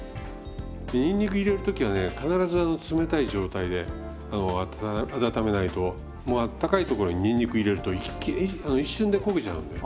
にんにく入れる時はね必ず冷たい状態で温めないとあったかい所ににんにく入れると一瞬で焦げちゃうんで。